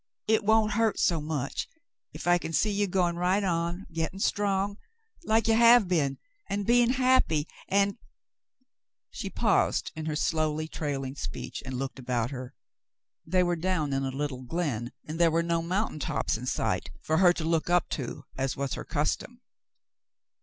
It — won't hurt so much if I can see you going right on — getting strong — like you have been, and being happy — and —" She paused in her slowly trail ing speech and looked about her. They were down in a little glen, and there were no mountain tops in sight for her to look up to as was her custom.